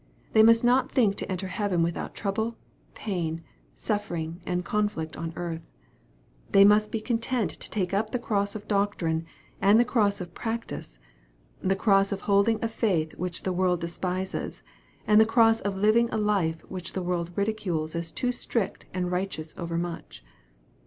They must not think to enter heaven without trouble, pain, suffering, and conflict on earth. They must be content to take up the cross of doctrine, and the cross of practice the cross of holding a faith which the world despises, and the cross of living a life which the world ridicules as too strict and righteous overmuch.